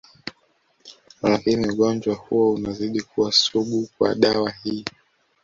Lakini ugonjwa huo unazidi kuwa sugu kwa dawa hii